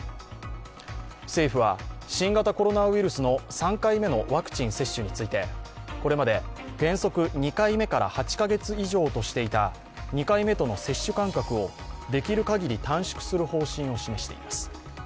政府は新型コロナウイルスの３回目のワクチン接種についてこれまで原則２回目から８カ月以上としていた２回目との接種間隔をできるかぎり短縮する方針を示しています。